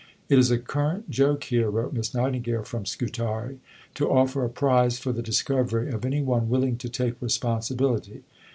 "It is a current joke here," wrote Miss Nightingale from Scutari, "to offer a prize for the discovery of any one willing to take responsibility."